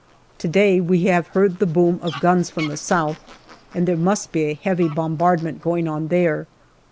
To day we have heard the boom of guns from the south, and there must be a heavy bombardment going on there.